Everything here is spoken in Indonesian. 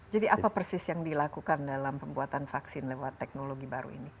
jadi apa persis yang dilakukan dalam pembuatan vaksin lewat teknologi baru ini